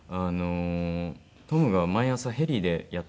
トムが毎朝ヘリでやって来るんですね。